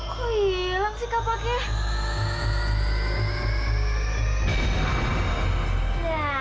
kok hilang sih kapaknya